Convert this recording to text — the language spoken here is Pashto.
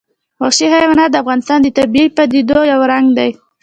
وحشي حیوانات د افغانستان د طبیعي پدیدو یو رنګ دی.